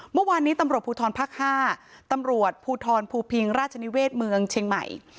เมื่อวานนี้ตำรวจภูทรภาค๕ตำรวจภูทรภูพิงราชนิเวศเมืองเชียงใหม่